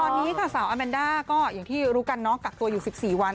ตอนนี้ค่ะสาวอาแมนด้าก็อย่างที่รู้กันน้องกักตัวอยู่๑๔วัน